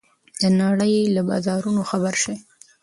د نړۍ له بازارونو خبر شئ.